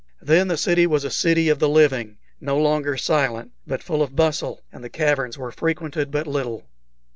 Then the city was a city of the living, no longer silent, but full of bustle, and the caverns were frequented but little.